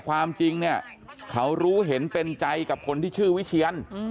ความจริงเนี่ยเขารู้เห็นเป็นใจกับคนที่ชื่อวิเชียน